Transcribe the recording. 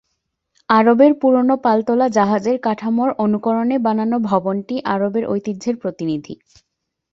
আরবের পুরনো পালতোলা জাহাজের কাঠামোর অনুকরণে বানানো ভবনটি আরবের ঐতিহ্যের প্রতিনিধি।